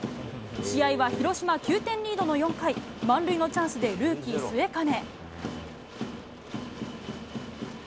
試合は広島９点リードの４回、満塁のチャンスでルーキー、末包。